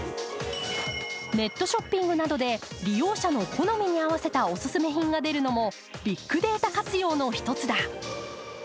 ネットショッピングなどで利用者の好みに合わせたおすすめ品が出るのもビッグデータ活用の一つだ。